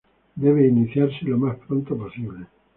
Debe iniciarse lo más pronto posible.